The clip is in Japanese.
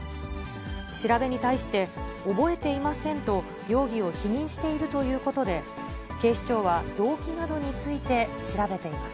調べに対して、覚えていませんと容疑を否認しているということで、警視庁は動機などについて調べています。